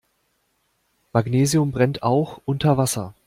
Magnesium brennt auch unter Wasser.